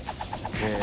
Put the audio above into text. へえ。